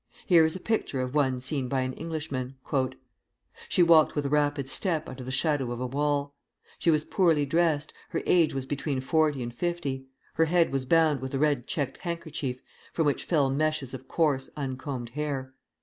Here is a picture of one seen by an Englishman: "She walked with a rapid step under the shadow of a wall. She was poorly dressed, her age was between forty and fifty; her head was bound with a red checked handkerchief, from which fell meshes of coarse, uncombed hair.